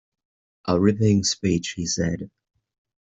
“A ripping speech,” he said.